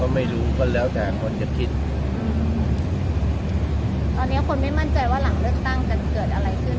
ไม่รู้ก็แล้วแต่คนจะคิดอืมตอนเนี้ยคนไม่มั่นใจว่าหลังเลือกตั้งจะเกิดอะไรขึ้น